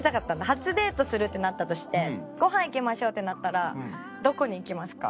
初デートするってなったとしてごはん行きましょうってなったらどこに行きますか？